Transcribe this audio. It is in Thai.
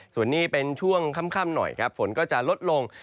ส่วนนี้เป็นช่วงค่ำหน่อยครับฝนก็จะลดลง